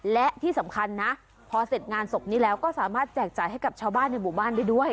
และที่สำคัญนะพอเสร็จงานศพนี้แล้วก็สามารถแจกจ่ายให้กับชาวบ้านในหมู่บ้านได้ด้วย